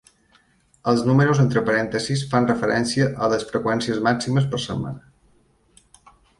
"Els números entre parèntesis fan referència a les freqüències màximes per setmana.